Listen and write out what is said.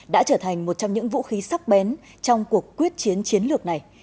đã trở thành một trong những vũ khí sắc bén trong cuộc quyết chiến chiến lược này